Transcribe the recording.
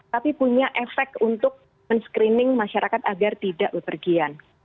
tapi punya efek untuk men screening masyarakat agar tidak bepergian